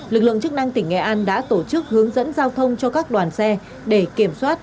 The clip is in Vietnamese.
lực lượng chức năng tỉnh nghệ an đã tổ chức hướng dẫn giao thông cho các đoàn xe để kiểm soát